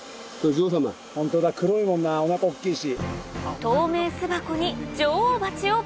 ホントだ黒いもんなお腹大っきいし。